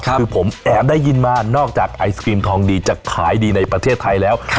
คือผมแอบได้ยินมานอกจากไอศกรีมทองดีจะขายดีในประเทศไทยแล้ว